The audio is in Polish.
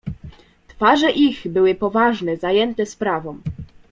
"Twarze ich były poważne, zajęte sprawą."